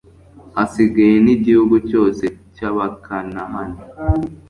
hasigaye n'igihugu cyose cy'abakanahani